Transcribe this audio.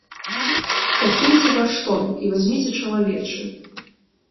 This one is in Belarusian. Пакіньце ваш тон і вазьміце чалавечы!